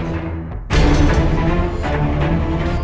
saatnya kalian bisa lari bersama kami